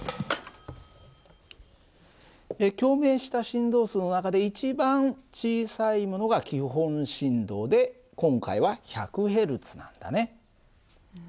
共鳴した振動数の中で一番小さいものが基本振動で今回は１００Ｈｚなんだね。